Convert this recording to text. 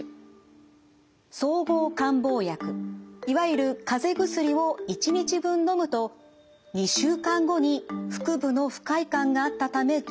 総合感冒薬いわゆるかぜ薬を１日分のむと２週間後に腹部の不快感があったため受診。